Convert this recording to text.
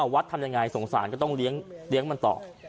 วัดทำยังไงสงสารก็ต้องเลี้ยงมันต่อ